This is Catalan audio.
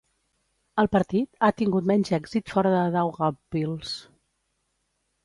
El partit ha tingut menys èxit fora de Daugavpils.